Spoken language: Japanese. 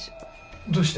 どうして？